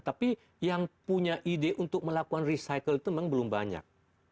tapi yang punya ide untuk melakukan recycle itu memang belum banyak